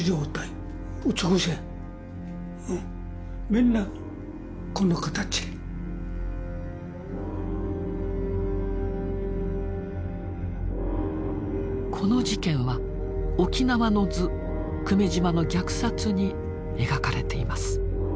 みんな同じこの事件は「沖縄の図久米島の虐殺」に描かれています。